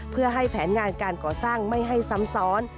เพื่อให้แผนงานการก่อสร้างไม่ให้ซ้ำซ้อน